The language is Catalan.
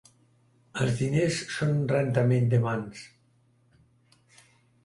Els diners són un rentament de mans.